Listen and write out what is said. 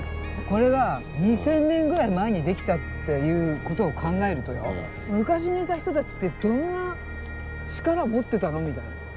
これが２千年ぐらい前にできたっていう事を考えるとよ昔にいた人たちってどんな力を持ってたのみたいな。